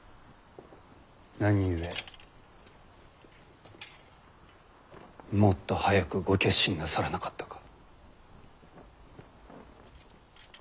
何故もっと早くご決心なさらなかったか。